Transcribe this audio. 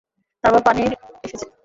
তার বাবা পানির এসেছে।